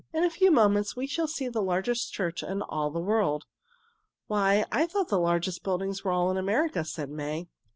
In a few moments we shall see the largest church in all the world." "Why, I thought the largest buildings were all in America," said May.